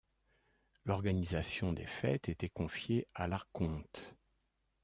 L'organisation des fêtes était confiée à l'archonte.